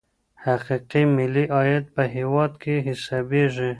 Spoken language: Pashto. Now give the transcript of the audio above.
حقیقي ملي عاید په هیواد کي حسابیږي.